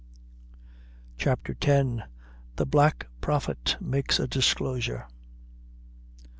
CHAPTER X. The Black Prophet makes a Disclosure.